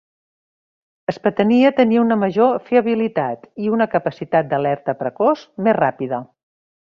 Es pretenia tenir una major fiabilitat i una capacitat d'alerta precoç més ràpida.